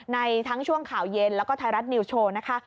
ทั้งช่วงข่าวเย็นแล้วก็ไทยรัฐนิวสโชว์นะคะ